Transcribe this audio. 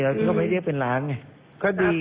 เรื่องไม่น่าเป็นคดี